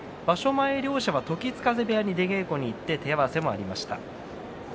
前は時津風部屋に出稽古に行って手合わせがありました。